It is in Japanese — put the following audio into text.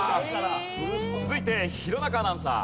続いて弘中アナウンサー。